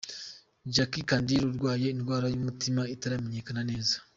Jackie Chandiru arwaye indwara y'umutima itaramenyekana neza.